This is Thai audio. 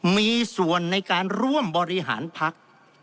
มีส่วนในการร่วมบริหารพัก